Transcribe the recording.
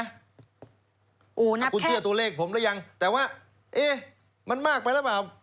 คุณเชื่อตัวเลขผมหรือยังแต่ว่าเอ๊ะมันมากไปหรือเปล่า